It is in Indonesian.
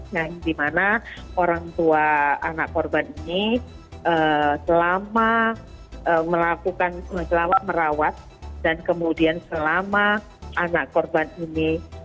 nah di mana orang tua anak korban ini selama merawat dan kemudian selama anak korban ini